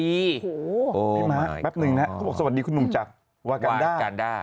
นี่มาแป๊บนึงนะครับก็บอกสวัสดีคุณหนุ่มจักรวากันด้า